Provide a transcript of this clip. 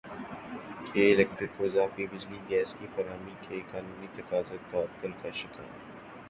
کے الیکٹرک کو اضافی بجلی گیس کی فراہمی کے قانونی تقاضے تعطل کا شکار